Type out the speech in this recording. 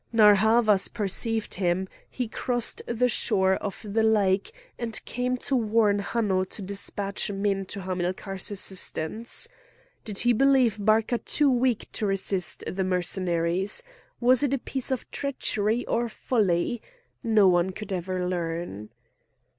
Narr' Havas perceived him; he crossed the shore of the lake, and came to warn Hanno to dispatch men to Hamilcar's assistance. Did he believe Barca too weak to resist the Mercenaries? Was it a piece of treachery or folly? No one could ever learn.